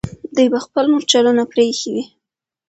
دوی به خپل مرچلونه پرېښي وي.